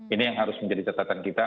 ini yang harus menjadi catatan kita